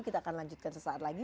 kita akan lanjutkan sesaat lagi